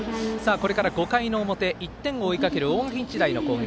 これから５回の表１点を追いかける大垣日大の攻撃。